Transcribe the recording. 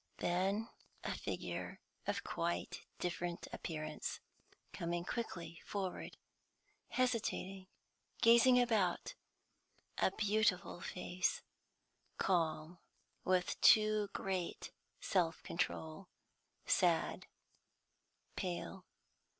Then a figure of quite different appearance, coming quickly forward, hesitating, gazing around; a beautiful face, calm with too great self control, sad, pale.